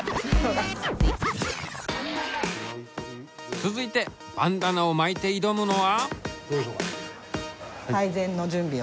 続いてバンダナを巻いて挑むのは。